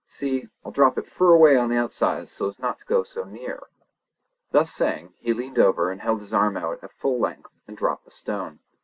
See, I'll drop it fur away on the outside so's not to go near her!" Thus saying, he leaned over and held his arm out at full length and dropped the stone.